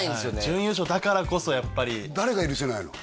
準優勝だからこそやっぱり誰が許せないの？